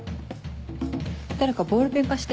誰かボールペン貸して。